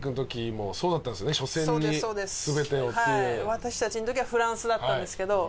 私たちの時はフランスだったんですけど。